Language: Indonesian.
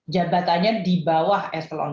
jabatannya di bawah eselon dua